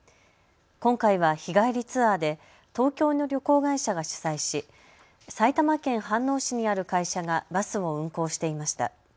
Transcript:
今回は日帰りツアーで東京の旅行会社が主催し埼玉県飯能市にある会社がバスを運行していました。